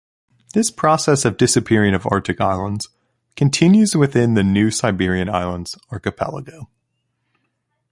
This process of disappearing of Arctic islands continues within the New Siberian Islands archipelago.